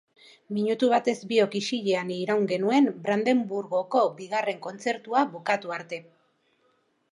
Minutu batez biok isilean iraun genuen Brandeburgoko bigarren kontzertua bukatu arte.